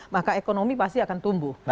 maka ekonomi pasti akan tumbuh